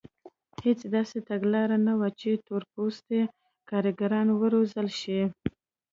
هېڅ داسې تګلاره نه وه چې تور پوستي کارګران وروزل شي.